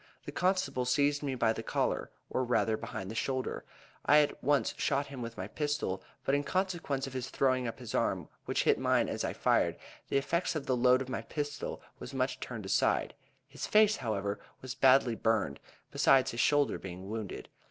The constable seized me by the collar, or rather behind my shoulder. I at once shot him with my pistol, but in consequence of his throwing up his arm, which hit mine as I fired, the effect of the load of my pistol was much turned aside; his face, however, was badly burned, besides his shoulder being wounded.